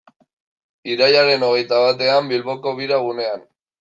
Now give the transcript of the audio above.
Irailaren hogeita batean, Bilboko Bira gunean.